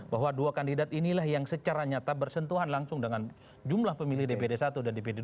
bahwa dua kandidat inilah yang secara nyata bersentuhan langsung dengan jumlah pemilih dpd satu dan dpd dua